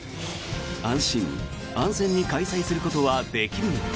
安心安全に開催することはできるのか。